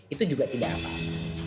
itu juga tidak apa apa